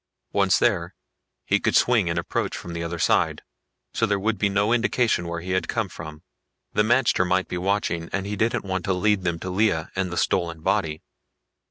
Once there, he could swing and approach from the other side, so there would be no indication where he had come from. The magter might be watching and he didn't want to lead them to Lea and the stolen body.